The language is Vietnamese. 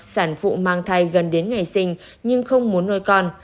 sản phụ mang thai gần đến ngày sinh nhưng không muốn nuôi con